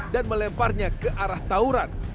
dan melemparnya ke arah tauran